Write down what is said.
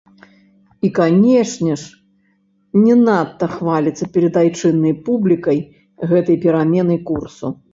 І, канешне ж, не надта хваліцца перад айчыннай публікай гэтай пераменай курсу.